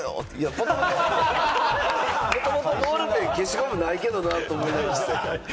もともとボールペン、消しゴムないけれどもなと思いながら。